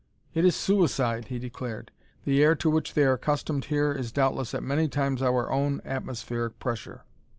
"It is suicide!" he declared. "The air to which they are accustomed here is doubtless at many times our own atmospheric pressure."